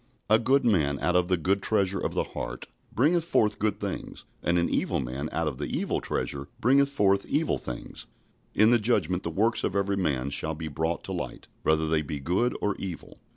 "A good man out of the good treasure of the heart bringeth forth good things: and an evil man out of the evil treasure bringeth forth evil things." In the Judgment the works of every man shall be brought to light, whether they be good or evil.